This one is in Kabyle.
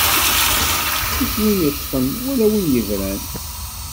Ttif win iṭṭfen, wala win ibran.